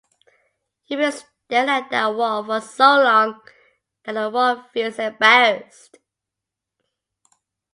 You've been staring at that wall for so long that the wall feels embarrassed.